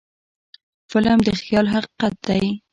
فلم د خیال حقیقت دی